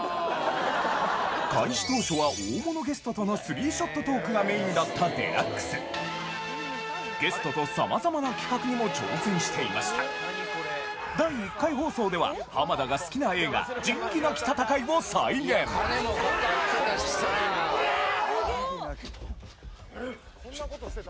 開始当初は大物ゲストとのスリーショットトークがメインだった『ＤＸ』ゲストと様々な企画にも挑戦していました第１回放送では浜田が好きな映画『仁義なき戦い』を再現金もかかってたしさぁ。